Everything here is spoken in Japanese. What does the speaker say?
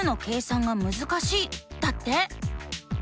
だって。